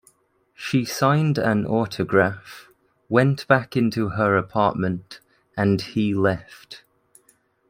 She signed an autograph, went back into her apartment and he left.